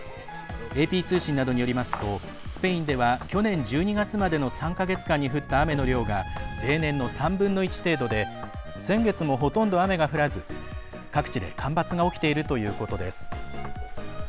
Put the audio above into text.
ＡＰ通信などによりますとスペインでは去年１２月までの３か月間に降った雨の量が例年の３分の１程度で先月もほとんど雨が降らず各地で干ばつが起きているということです。